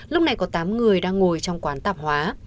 lúc này có tám người đang ngồi trong quán tạp hóa